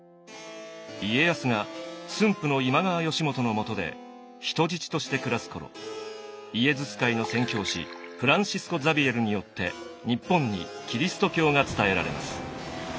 家康が駿府の今川義元のもとで人質として暮らす頃イエズス会の宣教師フランシスコ・ザビエルによって日本にキリスト教が伝えられます。